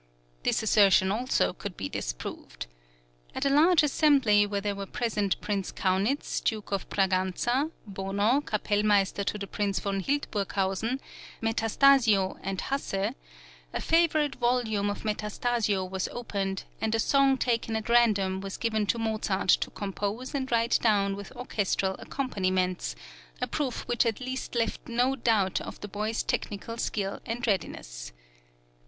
This assertion also could be disproved. At a large assembly, where there were present Prince Kaunitz, Duke of Braganza, Bono, Kapellmeister to the Prince von Hildburghausen, Metastasio, and Hasse, a favourite volume of Metastasio was opened, and a song taken at random was given to Mozart to compose and write down with orchestral accompaniments a proof which at least left no doubt of the boy's technical skill and readiness.